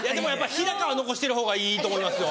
日は残してるほうがいいと思いますよ。